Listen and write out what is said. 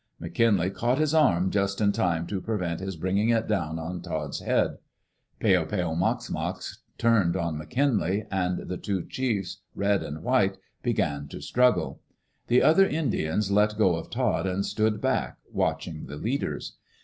McKinlay caught his arm just in time to prevent his bringing it down on Todd's head. Peo peo mox mox turned on McKinlay, and the two chiefs, red and white, began to struggle. The other Indians let go of Todd and stood back, watching the leaders.